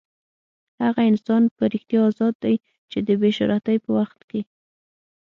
هغه انسان په رښتیا ازاد دی چې د بې شهرتۍ په وخت کې.